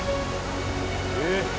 えっ？